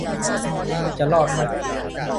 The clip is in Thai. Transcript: จะรอดมะ